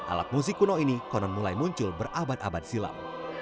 alat musik kuno ini konon mulai muncul berabad abad silam